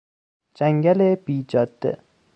جنگل بی جاده